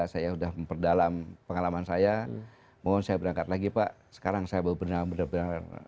saya sudah memperdalam pengalaman saya mohon saya berangkat lagi pak sekarang saya benar benar